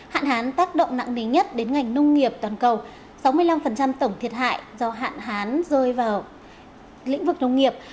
hạn hán tác động nặng ní nhất đến ngành nông nghiệp toàn cầu sáu mươi năm tổng thiệt hại do hạn hán rơi vào lĩnh vực nông nghiệp